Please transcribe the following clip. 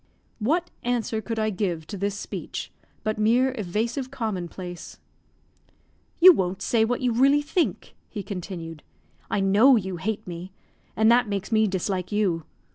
What answer could I give to this speech, but mere evasive common place! "You won't say what you really think," he continued; "I know you hate me, and that makes me dislike you.